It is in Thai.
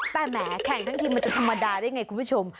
แต่แหมแข่งทั้งทีมันจะธรรมดาได้ไงคุณผู้ชม